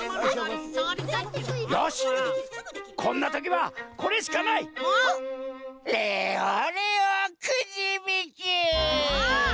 よしこんなときはこれしかない！あっ？